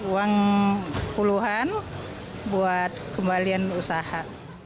uang puluhan buat kembalian usaha